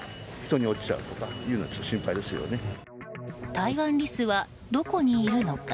タイワンリスはどこにいるのか？